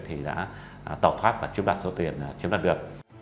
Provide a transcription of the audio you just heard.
thì đã tỏ thoát và chiếm đạt số tiền chiếm đạt được